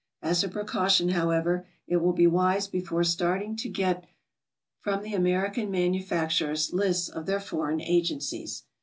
As a precaution, however, it will be wise before starting to get from the American manufacturers lists of their foreign agencies.